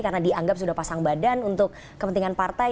karena dianggap sudah pasang badan untuk kepentingan partai